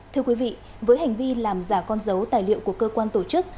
thưa quý vị với hành vi làm giả con dấu tài liệu của cơ quan tổ chức